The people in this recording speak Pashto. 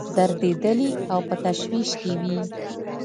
دردېدلي او په تشویش کې وي.